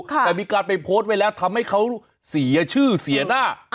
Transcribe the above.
แต่มีการไปโพสต์ไว้แล้วทำให้เขาเสียชื่อเสียหน้า